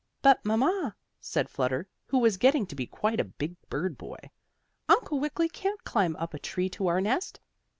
"But, mamma," said Flutter, who was getting to be quite a big bird boy, "Uncle Wiggily can't climb up a tree to our nest."